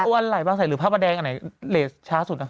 วันไหลบางเสร่หรือภาพแมร่กันไหนช้าสุดนะคะ